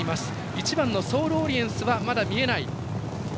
１番のソールオリエンスはまだ見えない。